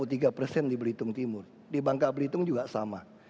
di belitung timur di bangka belitung juga sama